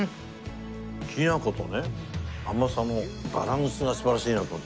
きな粉とね甘さもバランスが素晴らしいなと思って。